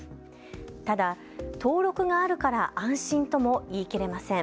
ただ登録があるから安心とも言い切れません。